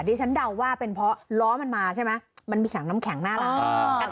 ที่ฉันเดาว่าเป็นเพราะล้อมันมาใช่ไหมมันมีถังน้ำแข็งน่ารัก